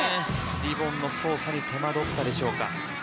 リボンの操作に手間取ったでしょうか。